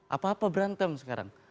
apa apa berantem sekarang